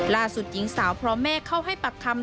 หญิงสาวพร้อมแม่เข้าให้ปากคำ